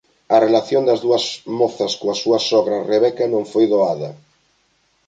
A relación das dúas mozas coa súa sogra Rebeca non foi doada.